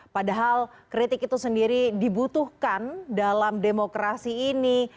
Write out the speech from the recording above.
padahal kritik itu sendiri dibutuhkan dalam demokrasi ini